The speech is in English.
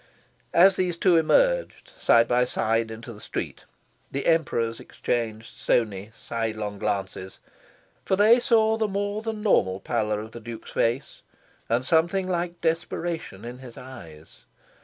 As these two emerged, side by side, into the street, the Emperors exchanged stony sidelong glances. For they saw the more than normal pallor of the Duke's face, and something very like desperation in his eyes.